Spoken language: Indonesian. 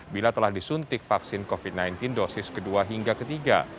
bila telah disuntik vaksin covid sembilan belas dosis kedua hingga ketiga